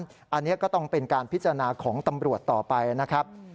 อันนี้ก็ต้องเป็นการพิจารณาของตำรวจต่อไปนะครับ